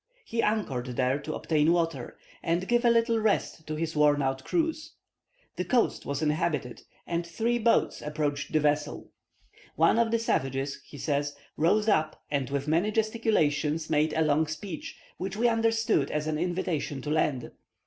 He anchored there to obtain water, and give a little rest to his worn out crews. This coast was inhabited, and three boats approached the vessels. "One of the savages," he says, "rose up, and with many gesticulations made a long speech, which we understood as an invitation to land.